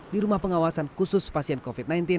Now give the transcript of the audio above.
di rumah pengawasan khusus pasien covid sembilan belas